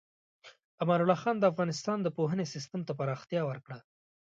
امان الله خان د افغانستان د پوهنې سیستم ته پراختیا ورکړه.